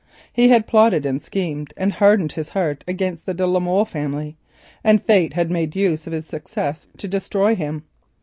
He had plotted and schemed, and hardened his heart against the de la Molle family, and fate had made use of his success to destroy him.